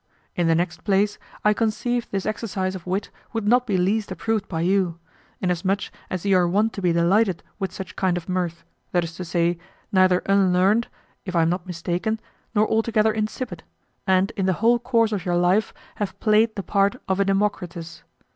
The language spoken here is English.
In the next place, I conceived this exercise of wit would not be least approved by you; inasmuch as you are wont to be delighted with such kind of mirth, that is to say, neither unlearned, if I am not mistaken, nor altogether insipid, and in the whole course of your life have played the part of a Democritus.